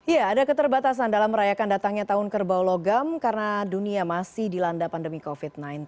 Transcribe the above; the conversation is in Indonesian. ya ada keterbatasan dalam merayakan datangnya tahun kerbau logam karena dunia masih dilanda pandemi covid sembilan belas